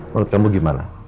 menurut kamu gimana